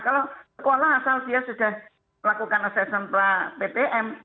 kalau sekolah asal dia sudah melakukan asesan pra ptm